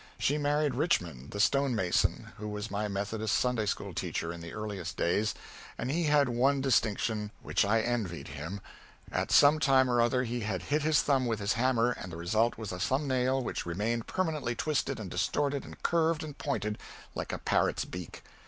She married Richmond, the stone mason, who was my Methodist Sunday school teacher in the earliest days, and he had one distinction which I envied him: at some time or other he had hit his thumb with his hammer and the result was a thumb nail which remained permanently twisted and distorted and curved and pointed, like a parrot's beak.